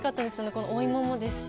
このお芋もですし。